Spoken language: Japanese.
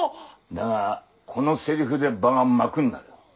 だがこのセリフで場が幕になる。